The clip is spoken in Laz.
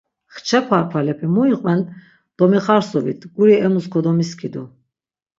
Xçe parpalepe mu iqven domixarsuvit, guri emus kodomiskidu.